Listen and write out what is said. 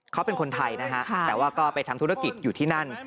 เขาเป็นคนไทยนะฮะแต่ว่าก็ไปทำธุรกิจอยู่ที่นั่น